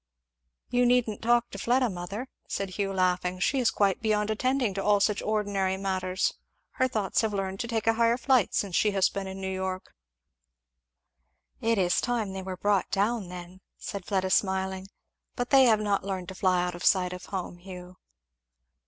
"You needn't talk to Fleda, mother," said Hugh laughing, "she is quite beyond attending to all such ordinary matters her thoughts have learned to take a higher flight since she has been in New York." "It is time they were brought down then," said Fleda smiling; "but they have not learned to fly out of sight of home, Hugh."